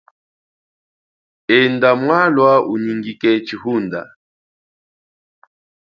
Enda mwalwa unyingike chihunda.